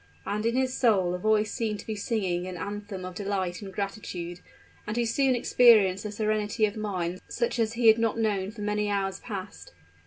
And in his soul a voice seemed to be singing an anthem of delight and gratitude; and he soon experienced a serenity of mind such as he had not known for many hours past!